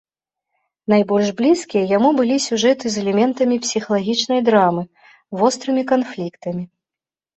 Найбольш блізкія яму былі сюжэты з элементамі псіхалагічнай драмы, вострымі канфліктамі.